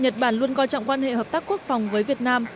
nhật bản luôn coi trọng quan hệ hợp tác quốc phòng với việt nam